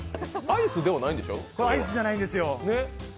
アイスじゃないんですよ。